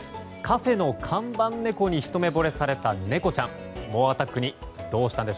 カフェの看板猫にひと目ぼれされた猫ちゃん。